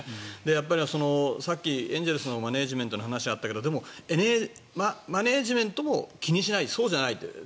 やっぱりさっきエンゼルスのマネジメントの話があったけどマネジメントも気にしないそうじゃない。